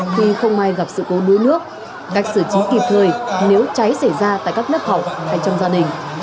khi không may gặp sự cố đuối nước cách xử trí kịp thời nếu cháy xảy ra tại các lớp học hay trong gia đình